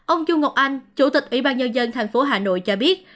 ông chu ngọc anh chủ tịch ủy ban nhân dân thành phố hà nội cho biết